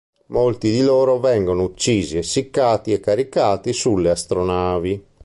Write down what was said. Molti di loro vengono uccisi, essiccati e caricati sulle astronavi.